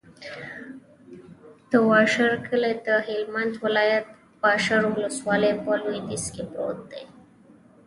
د واشر کلی د هلمند ولایت، واشر ولسوالي په لویدیځ کې پروت دی.